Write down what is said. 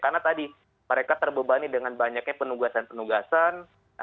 karena tadi mereka terbebani dengan banyak penugasan penugasan